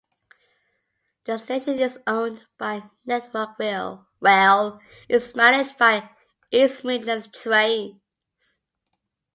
The station is owned by Network Rail and managed by East Midlands Trains.